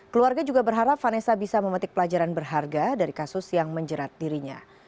keluarga juga berharap vanessa bisa memetik pelajaran berharga